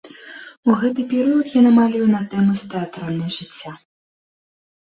У гэты перыяд яна малюе на тэмы з тэатральнай жыцця.